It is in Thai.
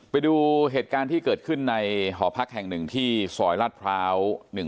ไปดูเหตุการณ์ที่เกิดขึ้นในหอพักแห่งหนึ่งที่ซอยลาดพร้าว๑๒